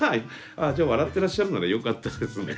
じゃあ笑ってらっしゃるならよかったですね。